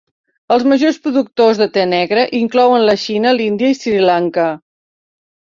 Els majors productors de te negre inclouen la Xina, l'Índia i Sri Lanka.